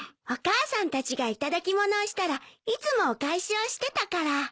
お母さんたちが頂き物をしたらいつもお返しをしてたから。